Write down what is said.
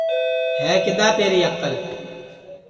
ہے کِدؔا تیری اکل